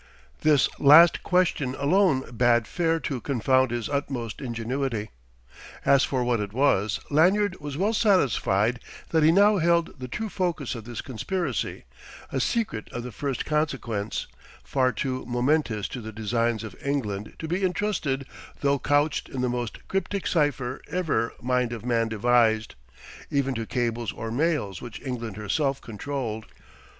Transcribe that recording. This last question alone bade fair to confound his utmost ingenuity. As for what it was, Lanyard was well satisfied that he now held the true focus of this conspiracy, a secret of the first consequence, far too momentous to the designs of England to be entrusted, though couched in the most cryptic cipher ever mind of man devised, even to cables or mails which England herself controlled.